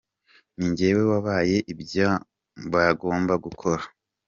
Ni nge wabahaye ibyo bagomba gukora.